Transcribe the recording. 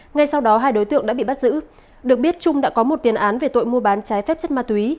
ngay sau đó hai đối tượng đã bị bắt giữ được biết trung đã có một tiền án về tội mua bán trái phép chất ma túy